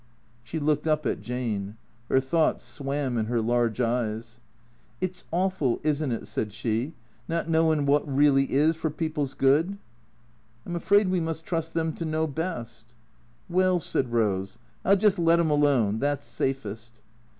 She looked up at Jane. Her thoughts swam in her large eyes. " It 's awful, is n't it," said she, " not knowin' wot really is for people's good ?"" I 'm afraid we must trust them to know best." " Well," said Eose, " I '11 just let 'im alone. That 's safest."